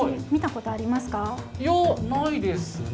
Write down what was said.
いやないですね。